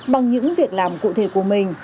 bằng những việc làm cụ thể của mình